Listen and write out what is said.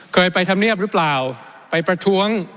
เคยไปทำเนียบหรือเปล่าไปประท้วง